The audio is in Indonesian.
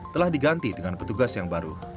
telah diganti dengan petugas yang baru